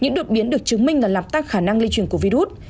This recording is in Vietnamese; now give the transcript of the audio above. những đột biến được chứng minh là làm tăng khả năng lây truyền của virus